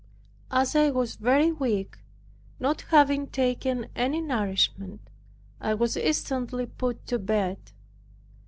As I was very weak, not having taken any nourishment, I was instantly put to bed.